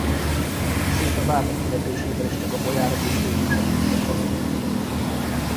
Sőt a vámok kivetésével is csak a bojárok és tőkések húztak hasznot.